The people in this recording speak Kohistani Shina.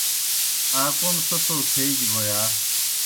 آ کوْم سہ سو تھیگیْ بوْ یا؟